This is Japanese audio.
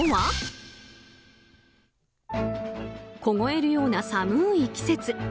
凍えるような寒い季節。